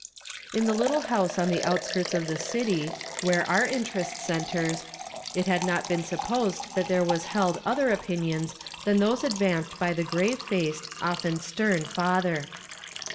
In the little home on the outskirts of the city, where our interest centres, it had not been sup posed that there was held other opinions than those advanced by the grave faced, often stern father.